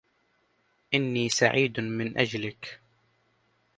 إنّي سعيد من أجلك.